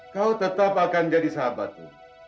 kau tetap akan jadi sahabatku